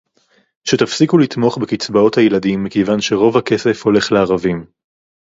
שתפסיקו לתמוך בקצבאות הילדים מכיוון שרוב הכסף הולך לערבים